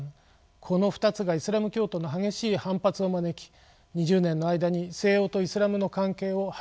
この２つがイスラム教徒の激しい反発を招き２０年の間に西欧とイスラムの関係を破綻させていったのです。